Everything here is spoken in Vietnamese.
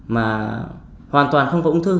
mà hoàn toàn không có ung thư